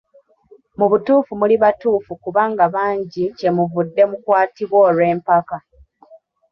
Mu butuufu muli batuufu kubanga bangi kye muvudde mukwatibwa olw'empaka.